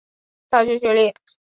大学学历。